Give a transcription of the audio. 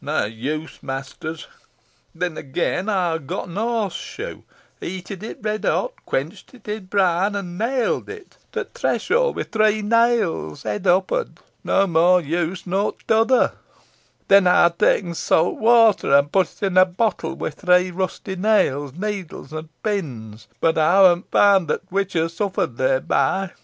No use, mesters. Then again, ey ha' getten a horseshoe, heated it redhot, quenched it i' brine, an' nailed it to t' threshold wi' three nails, heel uppard. No more use nor t'other. Then ey ha' taen sawt weter, and put it in a bottle wi' three rusty nails, needles, and pins, boh ey hanna found that th' witch ha' suffered thereby.